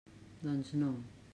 Doncs no.